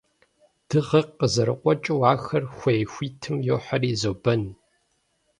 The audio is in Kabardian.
Дыгъэр къызэрыкъуэкӀыу, ахэр хуей хуитым йохьэри зобэн.